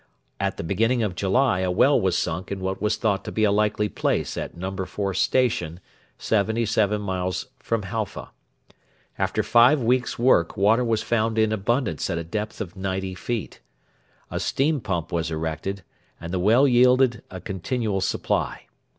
At the beginning of July a well was sunk in what was thought to be a likely place at 'No. 4 Station,' seventy seven miles from Halfa. After five weeks' work water was found in abundance at a depth of 90 feet. A steam pump was erected, and the well yielded a continual supply.